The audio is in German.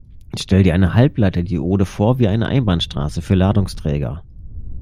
Stell dir eine Halbleiter-Diode vor wie eine Einbahnstraße für Ladungsträger.